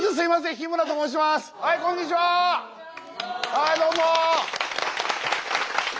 はいどうも！